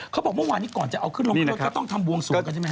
เขาบอกว่าที่ก่อนจะเอาขึ้นลงก็ต้องทำวงสูงกันใช่ไหมคะ